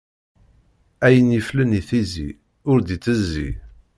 Ayen yiflen i tizi, ur d-itezzi.